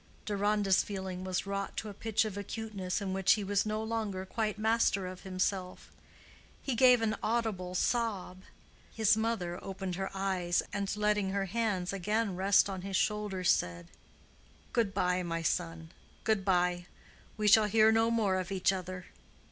Deronda's feeling was wrought to a pitch of acuteness in which he was no longer quite master of himself. He gave an audible sob. His mother opened her eyes, and letting her hands again rest on his shoulders, said, "Good bye, my son, good bye. We shall hear no more of each other.